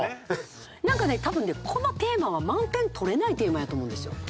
なんかね多分ねこのテーマは満点取れないテーマやと思うんですよ。